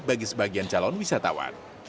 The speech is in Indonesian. bagi sebagian calon wisatawan